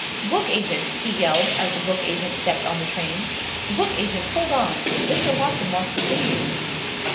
"Book agent!" he yelled, as the book agent stepped on the train. "Book agent, hold on! Mr. Watson wants to see you."